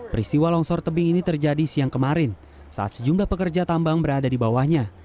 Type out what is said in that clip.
peristiwa longsor tebing ini terjadi siang kemarin saat sejumlah pekerja tambang berada di bawahnya